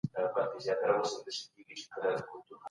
دا شیان هیڅکله په پیسو نه پلورل کیږي.